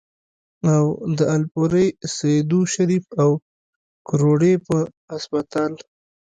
او د الپورۍ ، سېدو شريف ، او کروړې پۀ هسپتال